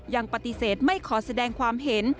ยังปฏิเสธไม่ขอแสดงความเห็น